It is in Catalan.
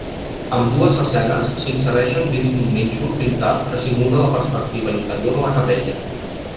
Ambdues escenes s'insereixen dins d'un nínxol pintat que simula la perspectiva interior de la capella.